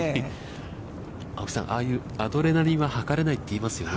青木さん、ああいう、アドレナリンははかれないって言いますよね。